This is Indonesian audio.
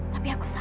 tapi aku salah